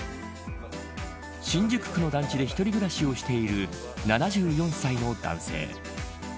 新宿区の団地で１人暮らしをしている７４歳の男性。